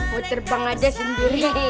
mau terbang aja sendiri